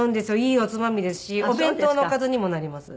いいおつまみですしお弁当のおかずにもなります。